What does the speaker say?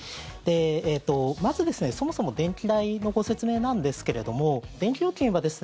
まず、そもそも電気代のご説明なんですけれども電気料金はですね